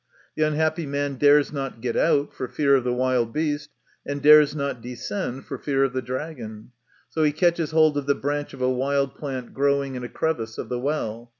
The unhappy man dares not get out for fear of the wild beast, and dares not descend for fear of the dragon, so he catches hold of the branch of a wild plant growing in a crevice of the well.